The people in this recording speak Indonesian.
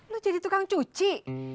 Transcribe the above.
lu jadi tukang cuci